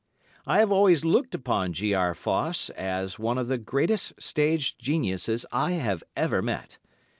I have always looked upon G. R. Foss as one of the greatest stage geniuses I have ever met.